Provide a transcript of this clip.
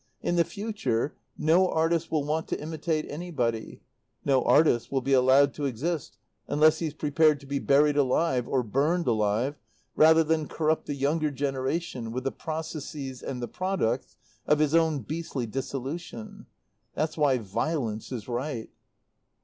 In the future no artist will want to imitate anybody. No artist will be allowed to exist unless he's prepared to be buried alive or burned alive rather than corrupt the younger generation with the processes and the products of his own beastly dissolution. "That's why violence is right.